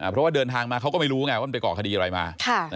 เพราะว่าเดินทางมาเขาก็ไม่รู้ไงว่ามันไปก่อคดีอะไรมา